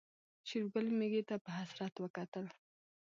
شېرګل ميږې ته په حسرت وکتل.